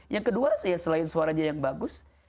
yang kedua selain suaranya yang bagus